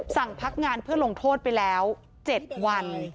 สั่งพักงานเพื่อลงโทษไปแล้ว๗วัน